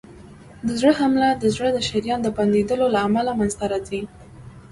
د زړه حمله د زړه د شریان د بندېدو له امله منځته راځي.